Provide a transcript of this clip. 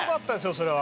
それは。